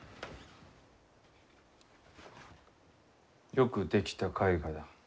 よく出来た絵画だ。